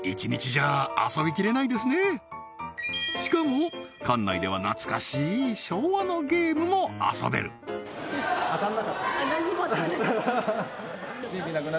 しかも館内では懐かしい昭和のゲームも遊べる当たらなかった？